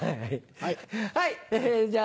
はい。